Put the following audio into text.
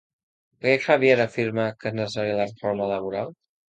Per què Javier afirma que és necessari la reforma laboral?